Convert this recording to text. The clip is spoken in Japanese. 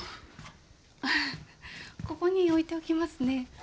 あっここに置いておきますね。